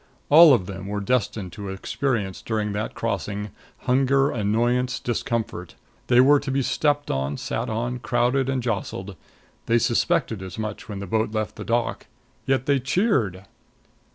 All of them were destined to experience during that crossing hunger, annoyance, discomfort. They were to be stepped on, sat on, crowded and jostled. They suspected as much when the boat left the dock. Yet they cheered!